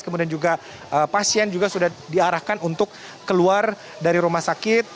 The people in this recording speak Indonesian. kemudian juga pasien juga sudah diarahkan untuk keluar dari rumah sakit